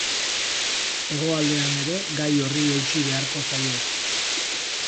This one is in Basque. Hegoaldean ere gai horri eutsi beharko zaio.